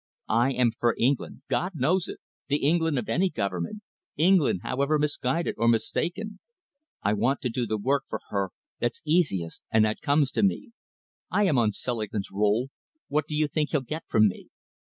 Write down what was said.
I am for England God knows it! the England of any government, England, however misguided or mistaken. I want to do the work for her that's easiest and that comes to me. I am on Selingman's roll. What do you think he'll get from me?